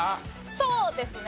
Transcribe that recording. そうですね。